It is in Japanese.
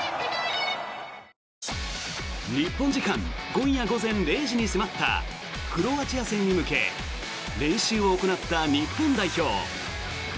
日本時間今夜午前０時に迫ったクロアチア戦に向け練習を行った日本代表。